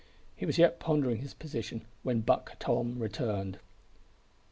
He was yet pondering his position when Buck Tom returned.